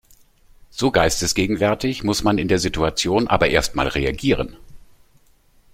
So geistesgegenwärtig muss man in der Situation aber erst mal reagieren.